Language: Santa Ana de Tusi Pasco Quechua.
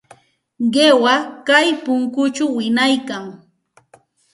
Qiwa kay punkućhaw wiñaykan.